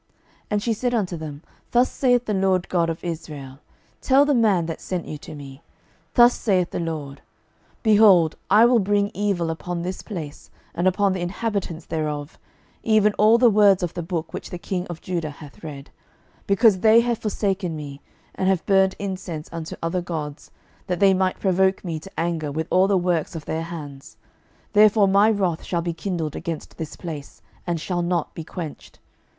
12:022:015 And she said unto them, Thus saith the LORD God of Israel, Tell the man that sent you to me, 12:022:016 Thus saith the LORD, Behold, I will bring evil upon this place, and upon the inhabitants thereof, even all the words of the book which the king of Judah hath read: 12:022:017 Because they have forsaken me, and have burned incense unto other gods, that they might provoke me to anger with all the works of their hands; therefore my wrath shall be kindled against this place, and shall not be quenched.